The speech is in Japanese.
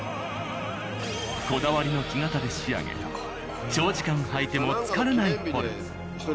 こだわりの木型で仕上げた長時間履いても疲れないフォルム。